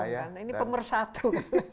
ini langsung kan ini pemersatu